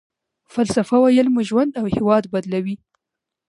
فلسفه ويل مو ژوند او هېواد بدلوي.